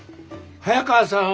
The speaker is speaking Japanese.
早川さん